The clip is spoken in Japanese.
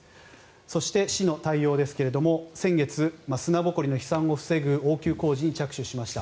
そして、市の対応ですが先月、砂ぼこりの飛散を防ぐ応急工事に着手しました。